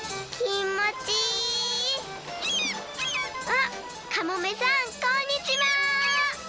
あっかもめさんこんにちは！